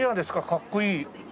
かっこいい。